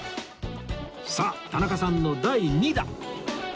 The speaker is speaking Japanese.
さあ田中さんの第２打